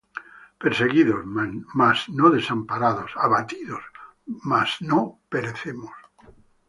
Perseguidos, mas no desamparados; abatidos, mas no perecemos;